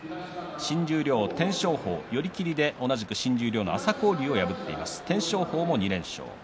新十両、天照鵬同じく新十両の朝紅龍を破っています。